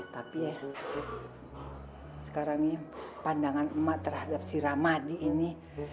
tapi ya sekarang pandangan emak terhadap si ramadi ini